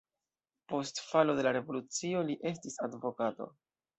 Post falo de la revolucio li estis advokato.